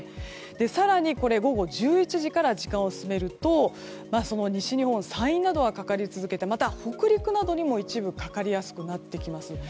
更に午後１１時から時間を進めると西日本、山陰などはかかり続けてまた北陸などにも一部かかりやすくなってきます。